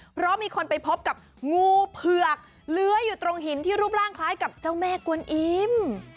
เพราะมีคนไปพบกับงูเผือกเลื้อยอยู่ตรงหินที่รูปร่างคล้ายกับเจ้าแม่กวนอิ่ม